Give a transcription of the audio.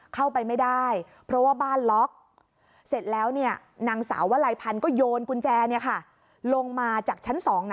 เข้าไปไม่ได้เพราะว่าบ้านล็อกเสร็จแล้วนางสาววลัยพันธุ์ก็โยนกุญแจลงมาจากชั้น๒